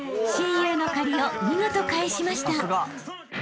親友の借りを見事返しました］